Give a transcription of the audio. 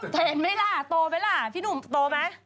เห็นไหมล่ะโตไหมล่ะพี่หนุ่มโตไหม